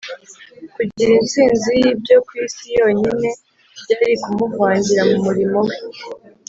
kugira intsinzi y’ibyo ku isi yonyine byari kumuvangira mu murimo we